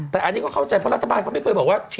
แต่อันนี้เข้าใจก็คือพอรัฐบาลไม่เคยบอกว่า